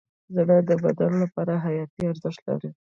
زړه د بدن لپاره حیاتي ارزښت لري.